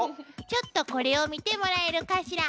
ちょっとこれを見てもらえるかしら。